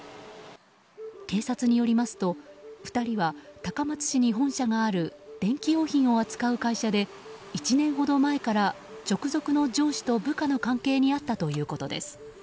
警察によりますと２人は、高松市に本社がある電気用品を扱う会社で１年ほど前から直属の上司と部下の関係にあったということです。